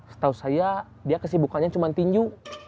setahu saya dia kesibukannya cuma tinju